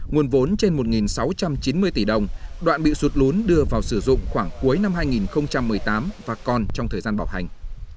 nguồn vốn trên một sáu trăm chín mươi tỷ đồng đoạn bị sụt lún đưa vào sử dụng khoảng cuối năm hai nghìn một mươi tám và còn trong thời gian bảo hành